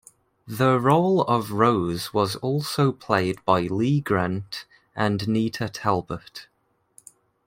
The role of Rose was also played by Lee Grant and Nita Talbot.